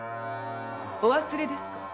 お忘れですか？